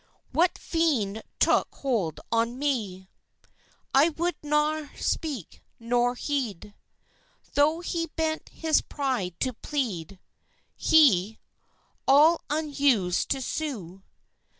What fiend took hold on me? I would nor speak nor heed, Tho' he bent his pride to plead (He, all unused to sue!)